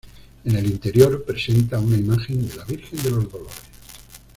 En el interior presenta una imagen de la Virgen de los Dolores.